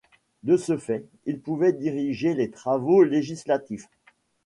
De ce fait, il pouvait diriger les travaux législatifs.